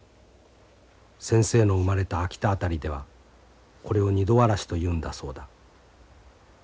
先生の生まれた秋田辺りではこれを『二度わらし』と言うんだそうだ。